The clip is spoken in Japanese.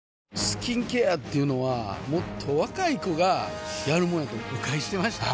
スキンケアっていうのはもっと若い子がやるもんやと誤解してました